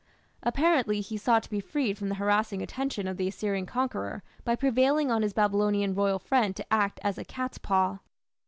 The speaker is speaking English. Apparently he sought to be freed from the harassing attention of the Assyrian conqueror by prevailing on his Babylonian royal friend to act as a "cat's paw".